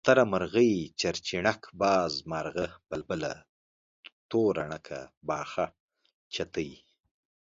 کوتره، مرغۍ، چيرچيڼک، باز، مارغه ،بلبله، توره ڼکه، باښه، چتی،